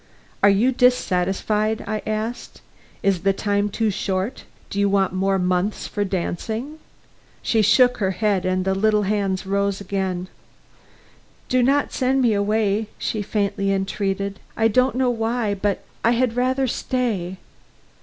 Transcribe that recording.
"Are you dissatisfied?" I asked. "Is the time too short? Do you want more months for dancing?" She shook her head and the little hands rose again: "Do not send me away," she faintly entreated; "I don't know why but I had rather stay."